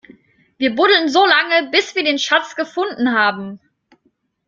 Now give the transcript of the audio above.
Wir buddeln so lange, bis wir den Schatz gefunden haben!